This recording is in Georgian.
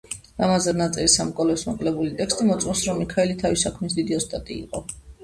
ლამაზად ნაწერი, სამკაულებს მოკლებული ტექსტი მოწმობს, რომ მიქაელი თავისი საქმის დიდი ოსტატი იყო.